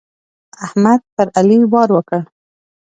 احمد پر علي وار وکړ.